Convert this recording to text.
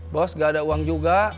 bos gak ada uang juga